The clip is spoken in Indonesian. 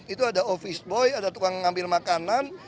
itu ada office boy ada tukang ngambil makanan